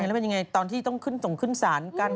มันเป็นอย่างไรตอนที่ต้องขึ้นสารการว่าความ